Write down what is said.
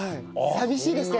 寂しいですか？